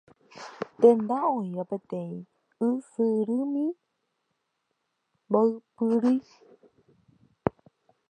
Tenda oĩva peteĩ ysyrymi mboypýri.